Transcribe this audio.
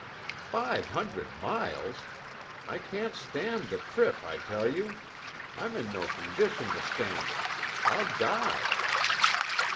"Five hundred miles! I can't stand the trip, I tell you. I'm in no condition to stand it. I'll die!"